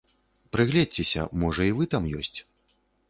Прыгледзьцеся, можа і вы там ёсць?